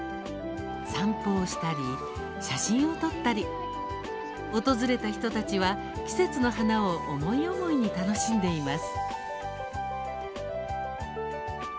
散歩をしたり、写真を撮ったり訪れた人たちは季節の花を思い思いに楽しんでいます。